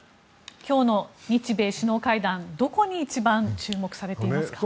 今日の日米首脳会談、どこに一番注目されていますか？